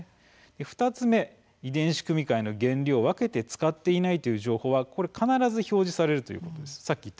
２つ目遺伝子組み換えの原料をきちんと分けて使っていないという情報は必ず表示されるということです。